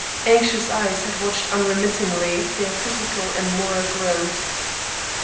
Anxious eyes had watched unremittingly their physical and moral growth.